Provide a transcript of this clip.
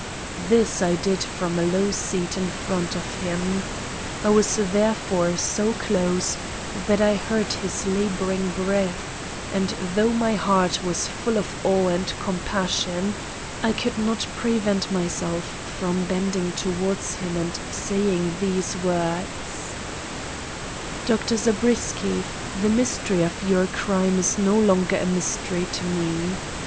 This I did from a low seat in front of him. I was therefore so close that I heard his laboring breath, and though my heart was full of awe and compassion, I could not prevent myself from bending towards him and saying these words: "Dr. Zabriskie, the mystery of your crime is no longer a mystery to me.